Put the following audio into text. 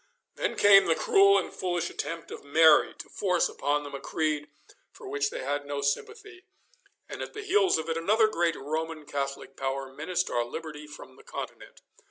Then came the cruel and foolish attempt of Mary to force upon them a creed for which they had no sympathy, and at the heels of it another great Roman Catholic power menaced our liberty from the Continent.